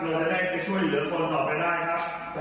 เราจะได้ไปช่วยเหลือคนต่อไปได้ครับ